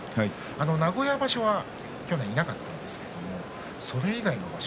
名古屋場所は去年いなかったんですけれどそれ以外の場所